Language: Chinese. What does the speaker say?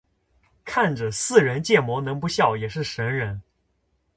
看着似人建模能不笑也是神人